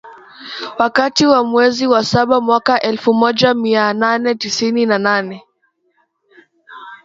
Wakati wa mwezi wa saba mwaka elfu moja mia nane tisini na nane